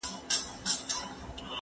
هغه څوک چي قلمان پاکوي روغ وي!